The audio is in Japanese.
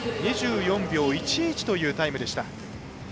２４秒１１というタイムでした。